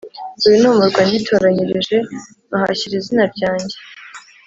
Uyu ni umurwa nitoranyirije nkahashyira izina ryanjye